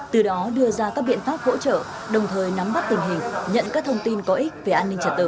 từ đó đưa ra các biện pháp hỗ trợ đồng thời nắm bắt tình hình nhận các thông tin có ích về an ninh trật tự